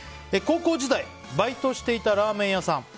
高校時代バイトしていたラーメン屋さん。